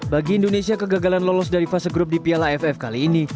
bagi indonesia kegagalan lolos dari fase grup di piala aff kali ini